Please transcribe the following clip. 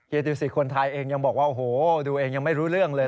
ติวสิกคนไทยเองยังบอกว่าโอ้โหดูเองยังไม่รู้เรื่องเลย